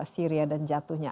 syria dan jatuhnya